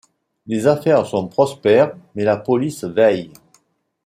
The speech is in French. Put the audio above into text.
Les affaires sont prospères, mais la police veille.